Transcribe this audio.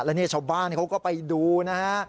แล้วเนี่ยชาวบ้านเขาก็ไปดูนะฮะ